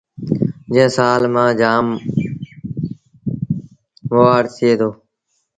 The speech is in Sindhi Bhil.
جݩهݩ سآݩ مآل جآم موآڙ ٿئي دو